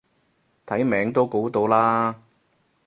睇名都估到啦